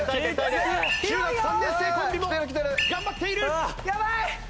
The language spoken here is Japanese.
中学３年生コンビも頑張っている！